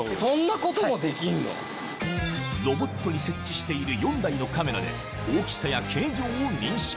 ロボットに設置している４台のカメラで大きさや形状を認識